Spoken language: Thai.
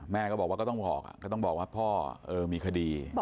แม่ก็บอกว่าพ่อมีคดี